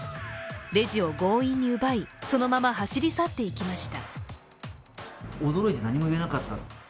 レジを強引に奪いそのまま走り去っていきました。